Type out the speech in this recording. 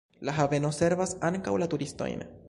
La haveno servas ankaŭ la turistojn.